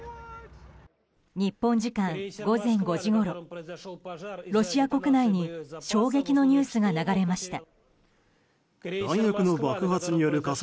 日本時間午前５時ごろロシア国内に衝撃のニュースが流れました。